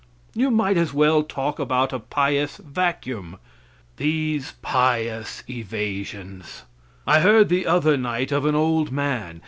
You might as well talk about a pious vacuum. These pious evasions. I heard the other night of an old man.